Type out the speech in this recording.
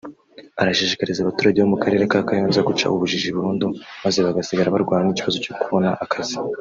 arashishikariza abaturage bo mu karere ka Kayonza guca ubujiji burundu maze bagasigara barwana n’ikibazo cyo kubona akazi